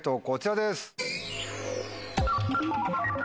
こちらです。